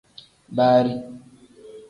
Baari.